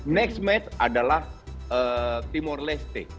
next match adalah timor leste